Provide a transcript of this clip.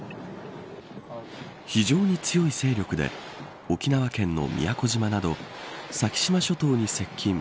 非常に強い勢力で沖縄県の宮古島など先島諸島に接近。